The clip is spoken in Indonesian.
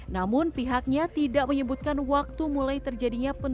namun pihaknya tidak menyebutkan waktu mulai terjadinya penurunan